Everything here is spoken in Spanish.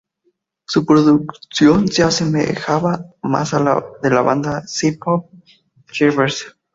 Su producción se asemejaba más a la de la banda de synthpop Chvrches.